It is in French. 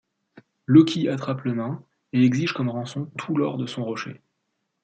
Loki attrape le nain et exige comme rançon tout l'or de son rocher.